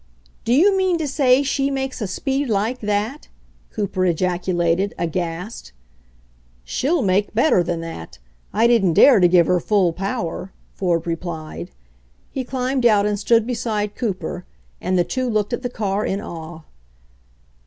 "Do you mean to say she makes a speed like that?" Cooper ejaculated, aghast. "She'll make better than that. I didn't dare to give her full power," Ford replied. He climbed out and stood beside Cooper, and the two looked at the car in awe.